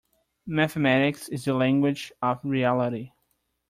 Mathematics is the language of reality.